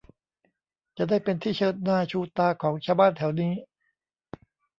จะได้เป็นที่เชิดหน้าชูตาของชาวบ้านแถวนี้